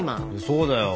そうだよ。